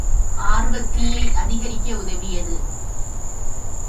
ஆர்வத்தீயை அதிகரிக்க உதவியது.